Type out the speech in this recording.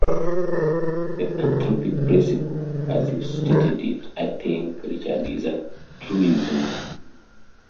The anthropic principle, as you stated it, I think, Richard, is a truism.